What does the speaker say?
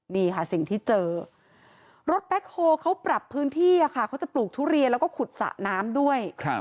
นี่ค่ะสิ่งที่เจอรถแบ็คโฮเขาปรับพื้นที่เขาจะปลูกทุเรียนแล้วก็ขุดสระน้ำด้วย